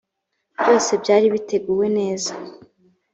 byose byari biteguwe neza